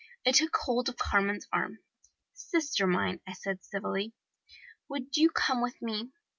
I took hold of Carmen's arm. 'Sister mine,' I said civilly, 'you must come with me.